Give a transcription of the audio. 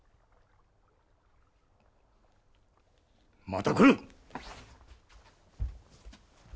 また来る！